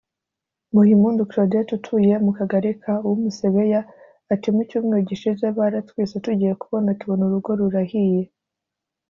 Muhimpundu Claudette utuye mu kagari ka Uwumusebeya ati “mu cyumweru gishize baratwitse tugiye kubona tubona urugo rurahiye